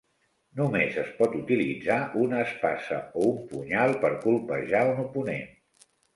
Només es pot utilitzar una espasa o un punyal per colpejar un oponent.